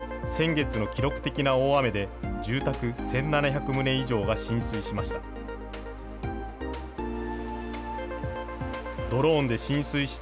佐賀県武雄市では、先月の記録的な大雨で、住宅１７００棟以上が浸水しました。